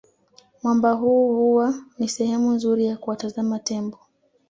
Mwamba huu huwa ni sehemu nzuri ya kuwatazama Tembo